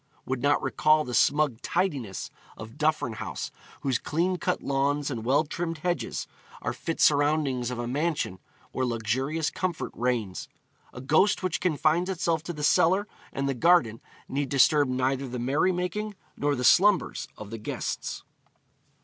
would not recall the smug tidiness of Duffryn House, whose clean cut lawns and well trimmed hedges are fit surroundings of a mansion where luxurious comfort reigns. A ghost which confines itself to the cellar and the garden need disturb neither the merrymaking nor the slumbers of the guests.